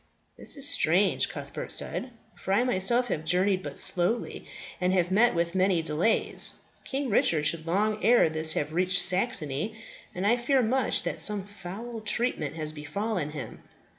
"This is strange," Cuthbert said, "for I myself have journeyed but slowly, and have met with many delays. King Richard should long ere this have reached Saxony; and I fear much that some foul treatment has befallen him.